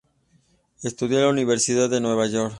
Estudió en la Universidad de Nueva York.